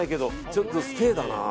ちょっとステイだな。